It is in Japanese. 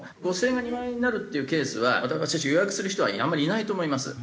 ５０００円が２万円になるっていうケースは予約する人はあんまりいないと思います。